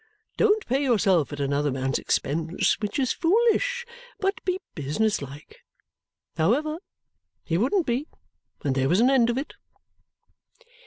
Don't pay yourself at another man's expense (which is foolish), but be business like!' However, he wouldn't be, and there was an end of it."